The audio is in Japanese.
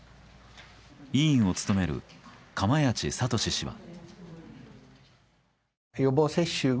委員を務める釜萢敏氏は。